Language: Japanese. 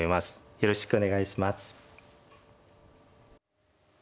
よろしくお願いします。